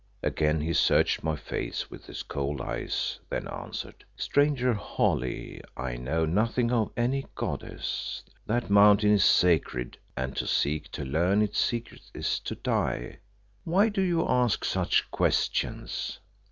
Again he searched my face with his cold eyes, then answered "Stranger Holly, I know nothing of any goddess. That Mountain is sacred, and to seek to learn its secrets is to die. Why do you ask such questions?"